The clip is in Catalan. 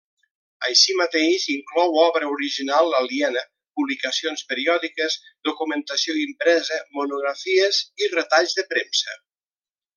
Així mateix, inclou obra original aliena, publicacions periòdiques, documentació impresa, monografies i retalls de premsa.